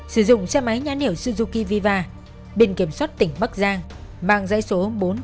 sử dụng xe máy nhãn hiệu suzuki viva bên kiểm soát tỉnh bắc giang bằng dãy số bốn nghìn tám trăm năm mươi